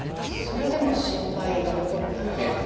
それでも心配が残ったら。